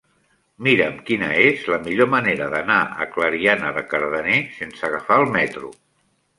Mira'm quina és la millor manera d'anar a Clariana de Cardener sense agafar el metro.